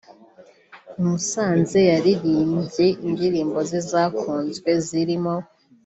I Musanze yaririmbye indirimbo ze zakunzwe zirimo